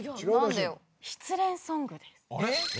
失恋ソングです。